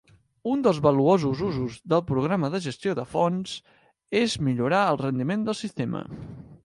Un dels valuosos usos del programa de gestió de fonts és millorar el rendiment del sistema.